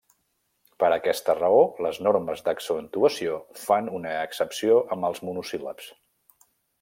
Per aquesta raó les normes d'accentuació fan una excepció amb els monosíl·labs.